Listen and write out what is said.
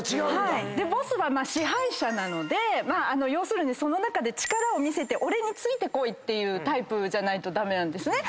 ボスは支配者なので要するにその中で力を見せて俺についてこいっていうタイプじゃないと駄目なんですね。